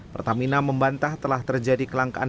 pertamina membantah telah terjadi kelangkaan